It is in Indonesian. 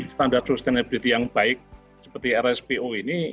standar sustainability yang baik seperti rspo ini